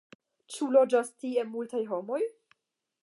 Ĉu loĝas tie multaj homoj?